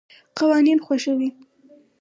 قوانین خوښوي.